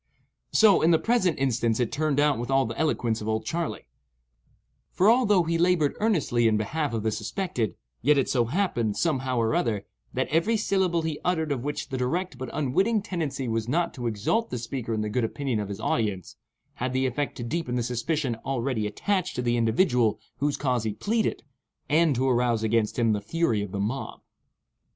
So, in the present instance, it turned out with all the eloquence of "Old Charley"; for, although he laboured earnestly in behalf of the suspected, yet it so happened, somehow or other, that every syllable he uttered of which the direct but unwitting tendency was not to exalt the speaker in the good opinion of his audience, had the effect to deepen the suspicion already attached to the individual whose cause he pleaded, and to arouse against him the fury of the mob.